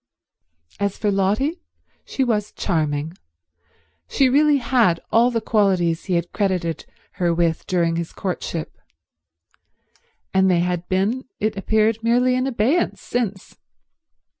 As for Lotty, she was charming. She really had all the qualities he had credited her with during his courtship, and they had been, it appeared, merely in abeyance since.